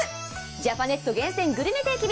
ジャパネット厳選グルメ定期便